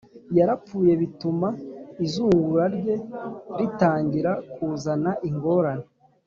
yarapfuye bituma izungura rye ritangira kuzana ingorane